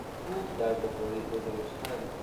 چوب در بخاری گذاشتن